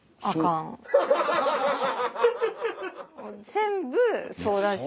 全部相談して。